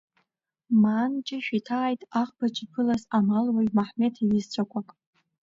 Маан Ҷышә иҭааит аӷбаҿ иԥылаз амалуаҩ Маҳмеҭ иҩызцәақәак.